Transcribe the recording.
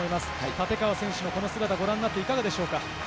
立川選手のこの姿、ご覧になって、いかがですか？